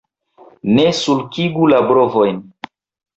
Ne sulkigu la brovojn!